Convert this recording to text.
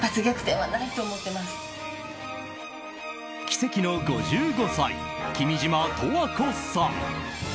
奇跡の５５歳、君島十和子さん。